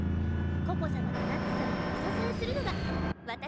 ココ様とナッツ様をお支えするのが私の役目だから！